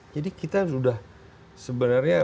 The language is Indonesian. jadi kita sudah sebenarnya